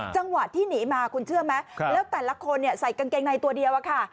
จังหวะที่หนีมาคุณเชื่อไหมแล้วแต่ละคนใส่กางเกงในตัวเดียวอะค่ะ